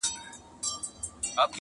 o څارنوال ویله پلاره در جارېږم,